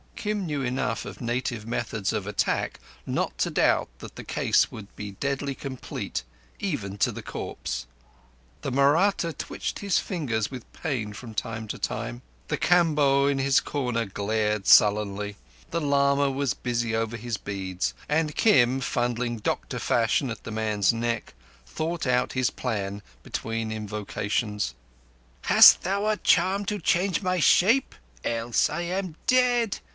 Kim knew enough of native methods of attack not to doubt that the case would be deadly complete—even to the corpse. The Mahratta twitched his fingers with pain from time to time. The Kamboh in his corner glared sullenly; the lama was busy over his beads; and Kim, fumbling doctor fashion at the man's neck, thought out his plan between invocations. "Hast thou a charm to change my shape? Else I am dead.